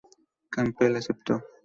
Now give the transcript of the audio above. Campbell aceptó.